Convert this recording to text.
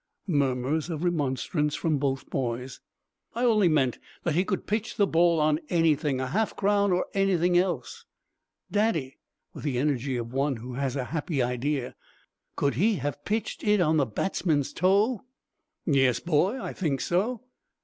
Murmurs of remonstrance from both boys. "I only meant that he could pitch the ball on anything a half crown or anything else." "Daddy," with the energy of one who has a happy idea, "could he have pitched it on the batsman's toe?" "Yes, boy, I think so."